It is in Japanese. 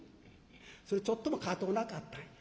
「それちょっともかとうなかったんや。